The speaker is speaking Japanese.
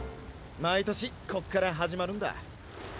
毎年こっから始まるんだ。